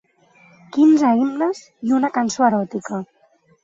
Quinze himnes i una cançó eròtica.